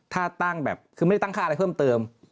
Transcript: ถ้าตั้งแบบคือไม่ได้ตั้งค่าอะไรเพิ่มเติม